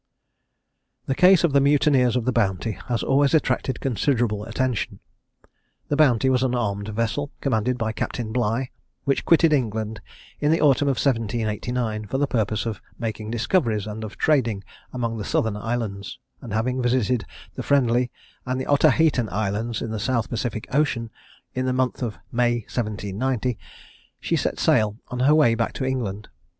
The case of the mutineers of the Bounty has always attracted considerable attention. The Bounty was an armed vessel, commanded by Capt. Bligh, which quitted England in the autumn of 1789, for the purpose of making discoveries, and of trading among the Southern Islands; and having visited the Friendly and the Otaheitan Islands in the South Pacific Ocean, in the month of May 1790, she set sail on her way back to England.